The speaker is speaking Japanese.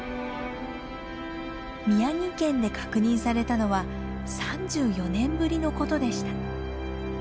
宮城県で確認されたのは３４年ぶりのことでした。